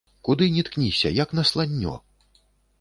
Куды ні ткніся, як насланнё.